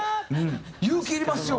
勇気いりますよ